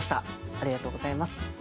ありがとうございます。